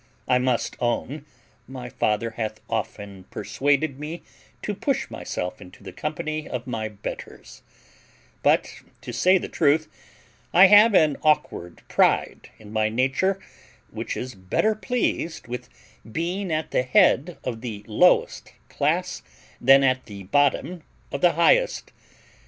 I must own my father hath often persuaded me to push myself into the company of my betters; but, to say the truth, I have an aukward pride in my nature, which is better pleased with being at the head of the lowest class than at the bottom of the highest.